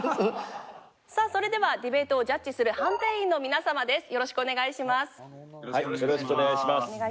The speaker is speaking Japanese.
さあそれではディベートをジャッジする判定員の皆様です。